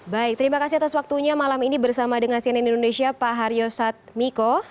baik terima kasih atas waktunya malam ini bersama dengan cnn indonesia pak haryo satmiko